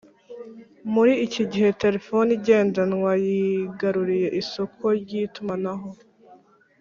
muri iki gihe terefoni igendanwa yigaruriye isoko ry’itumanaho